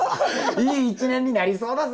いい一年になりそうだぜ！